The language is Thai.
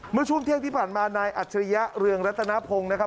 เมื่อช่วงเที่ยงที่ผ่านมานายอัจฉริยะเรืองรัตนพงศ์นะครับ